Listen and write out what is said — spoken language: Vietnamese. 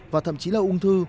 và thậm chí là ung thư